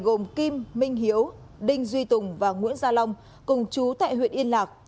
gồm kim minh hiếu đinh duy tùng và nguyễn gia long cùng chú tại huyện yên lạc